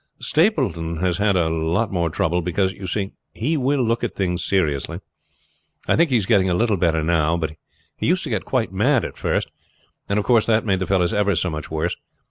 "Stapleton has had a lot more trouble; because, you see, he will look at things seriously. I think he is getting a little better now; but he used to get quite mad at first, and of course that made fellows ever so much worse.